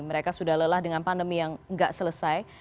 mereka sudah lelah dengan pandemi yang nggak selesai